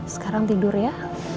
sekarang tidur ya